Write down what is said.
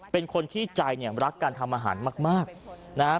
เป็นคนที่ใจเนี่ยรักการทำอาหารมากนะฮะ